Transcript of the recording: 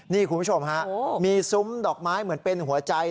นี่คุณผู้ชมฮะมีซุ้มดอกไม้เหมือนเป็นหัวใจ